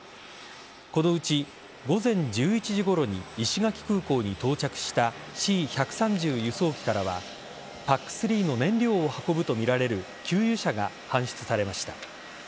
このうち午前１１時ごろに石垣空港に到着したＣ‐１３０輸送機からはＰＡＣ‐３の燃料を運ぶとみられる給油車が搬出されました。